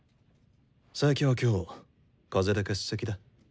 佐伯は今日風邪で欠席だ。